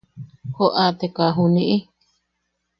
¡Joʼateka juniʼi!